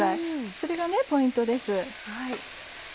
それがポイントです。